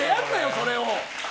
それを！